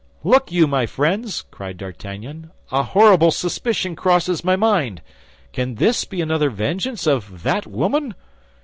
"Look you, my friends!" cried D'Artagnan, "a horrible suspicion crosses my mind! Can this be another vengeance of that woman?"